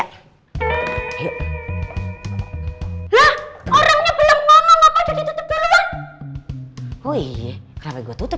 lah orangnya belum ngomong apa udah ditutup di luar